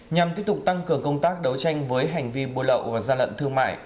nhằm tiếp tục tăng cường công tác đấu tranh với hành vi buôn lậu và gian lận thương mại